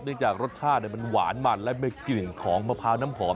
จากรสชาติมันหวานมันและมีกลิ่นของมะพร้าวน้ำหอม